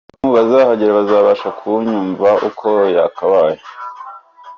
Abantu bazahagera bazabasha kuyumva uko yakabaye.